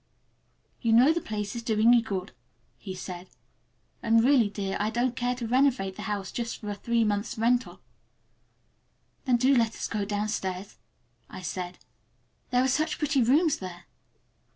"You know the place is doing you good," he said, "and really, dear, I don't care to renovate the house just for a three months' rental." "Then do let us go downstairs," I said, "there are such pretty rooms there."